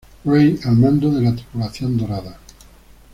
Gray al mando de la tripulación dorada.